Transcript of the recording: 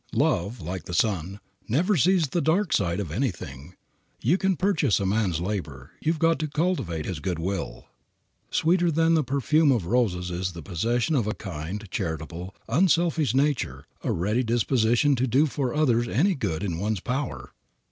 Love, like the sun, never sees the dark side of anything. You can purchase a man's labor, you've got to cultivate his good will. Sweeter than the perfume of roses is the possession of a kind, charitable, unselfish nature, a ready disposition to do for others any good turn in one's power.